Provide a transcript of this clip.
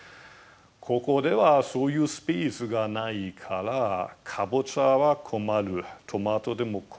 ここではそういうスペースがないからカボチャは困るトマトでも困る。